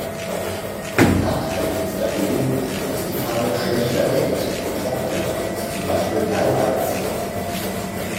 Nachteilig ist dagegen, dass die Farbe schlechter deckt und trocknet als zum Beispiel Bleiweiß.